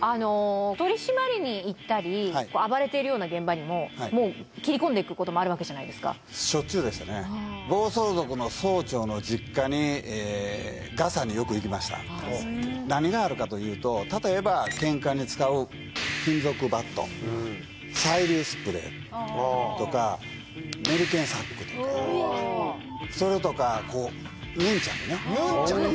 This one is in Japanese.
取り締まりにいったり暴れているような現場にももう切り込んでいくこともあるわけじゃないですかしょっちゅうでしたね何があるかというと例えばケンカに使う金属バット催涙スプレーとかメリケンサックとかそれとかヌンチャクねヌンチャク！？